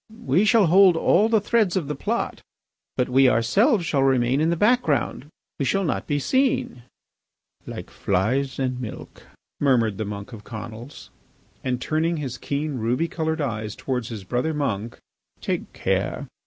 We shall hold all the threads of the plot, but we ourselves shall remain in the background. We shall not be seen." "Like flies in milk," murmured the monk of Conils. And turning his keen ruby coloured eyes towards his brother monk: "Take care.